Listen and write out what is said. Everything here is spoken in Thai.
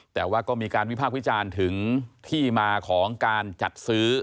แต่ว่าก็มีการวิพากษ์วิจารณ์ถึงที่มาของการจัดซื้อ